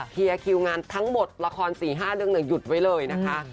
เคลียร์คิวงานทั้งหมดละคร๔๕เรื่องหยุดไว้เลยนะคะ